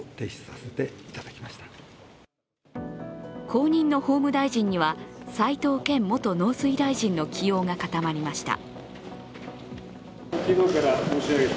後任の法務大臣には齋藤健元農水大臣の起用が固まりました。